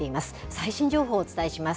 最新情報をお伝えします。